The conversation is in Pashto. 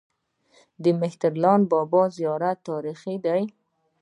د مهترلام بابا زیارت تاریخي دی